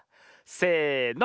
せの！